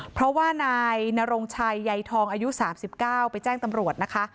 เพราะว่านายนโรงชัยใยทองอายุสามสิบเก้าไปแจ้งตำรวจนะคะ